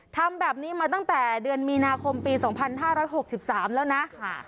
ทำแบบนี้มาตั้งแต่เดือนมีนาคมปี๒๕๖๓แล้วนะ